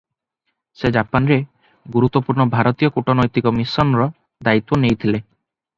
ସେ ଜାପାନରେ ଗୁରୁତ୍ୱପୂର୍ଣ୍ଣ ଭାରତୀୟ କୂଟନୈତିକ ମିଶନର ଦାୟିତ୍ୱ ନେଇଥିଲେ ।